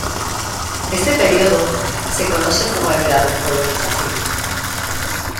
Este periodo se conoce como el de la descolonización.